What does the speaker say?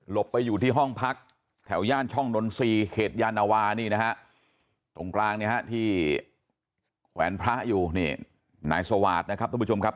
หลบไปอยู่ที่ห้องพักแถวย่านช่องดนตร์๔เขตยานวาตรงกลางที่แหวนพระอยู่นายสวาทนะครับท่านผู้ชมครับ